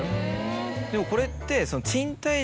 でもこれって。